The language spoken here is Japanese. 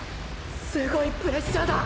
すごいプレッシャーだ！！